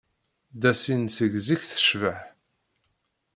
Dassin seg zik tecbeḥ.